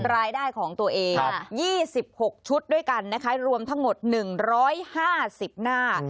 รายได้ของตัวเอง๒๖ชุดด้วยกันนะคะรวมทั้งหมด๑๕๐หน้า